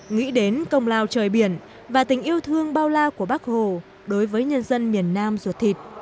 nghĩ đến công lao trời biển và tình yêu thương bao la của bắc hồ đối với nhân dân miền nam ruột thịt